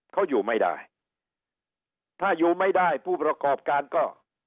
เขาอยู่ไม่ได้ถ้าอยู่ไม่ได้ผู้ประกอบการก็